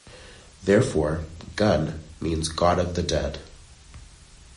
Therefore, Gunn means "God of the Dead".